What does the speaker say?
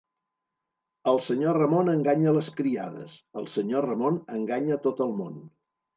El senyor Ramon enganya les criades; el senyor Ramon enganya tot el món.